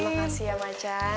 makasih ya macan